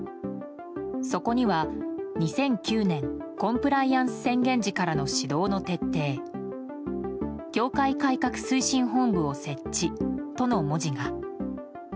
そこには２００９年コンプライアンス宣言時からの指導の徹底教会改革推進本部を設置との文字が。